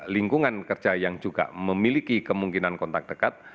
lingkungan kerja yang juga memiliki kemungkinan kontak dekat